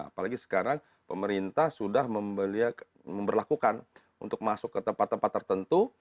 apalagi sekarang pemerintah sudah memperlakukan untuk masuk ke tempat tempat tertentu